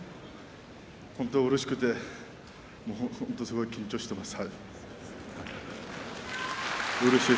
本当にうれしくてすごい緊張してます、はい。